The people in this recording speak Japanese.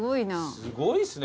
すごいですね。